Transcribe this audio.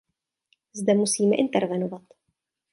Zde musíme intervenovat.